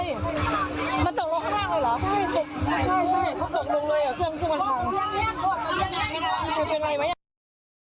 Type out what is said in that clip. ใช่ใช่เขาตกลงเลยเครื่องคือมันทำ